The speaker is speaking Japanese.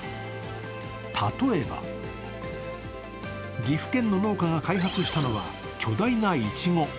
例えば、岐阜県の農家が開発したのは巨大なイチゴ。